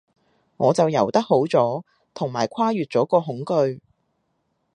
我就游得好咗，同埋跨越咗個恐懼